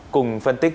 cùng phân tích